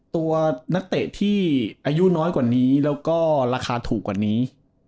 ตัวนักเตะที่อายุน้อยกว่านี้แล้วก็ราคาถูกกว่านี้